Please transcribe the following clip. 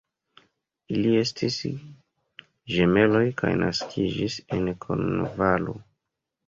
Ili estis ĝemeloj kaj naskiĝis en Kornvalo.